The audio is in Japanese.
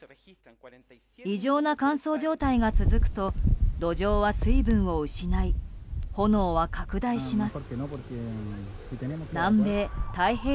異常な乾燥状態が続くと土壌は水分を失い炎は拡大します。